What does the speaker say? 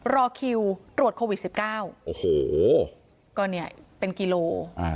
รอคิวตรวจโควิดสิบเก้าโอ้โหก็เนี่ยเป็นกิโล